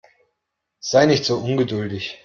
Sei nicht so ungeduldig.